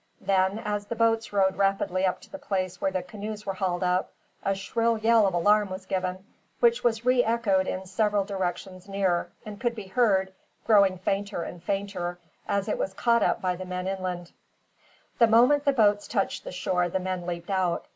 Then, as the boats rowed rapidly up to the place where the canoes were hauled up, a shrill yell of alarm was given, which was re echoed in several directions near; and could be heard, growing fainter and fainter, as it was caught up by men inland. The moment the boats touched the shore the men leaped out.